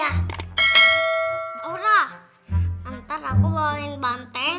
udah ntar aku bawain banteng